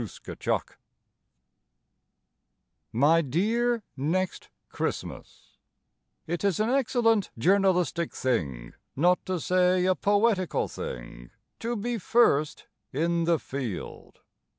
TO NEXT CHRISTMAS My dear Next Christmas, It is an excellent journalistic thing, Not to say a poetical thing, To be first in the field.